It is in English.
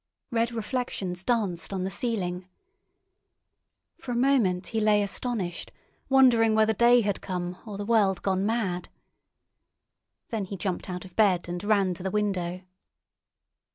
Red reflections danced on the ceiling. For a moment he lay astonished, wondering whether day had come or the world gone mad. Then he jumped out of bed and ran to the window.